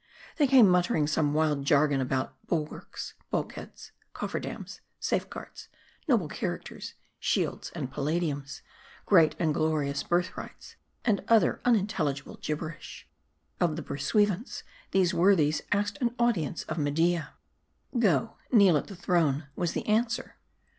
They came muttering some wild jargon about " bulwarks," " bulkheads," " cofferdams," "safeguards," "noble charters," "shields," and " pala diums," " great and glorious birthrights," and other unin telligible gibberish. Of the pursuivants, these worthies asked audience of Media. " Go, kneel at the throne," was the answer.